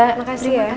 terima kasih ya